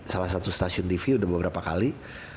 salah satu stasiun tv udah beberapa kali